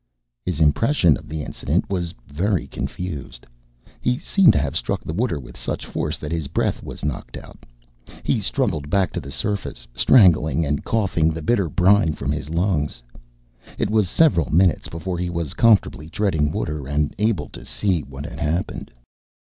His impression of the incident was very confused. He seemed to have struck the water with such force that his breath was knocked out. He struggled back to the surface, strangling, and coughing the bitter brine from his lungs. It was several minutes before he was comfortably treading water, and able to see what had happened.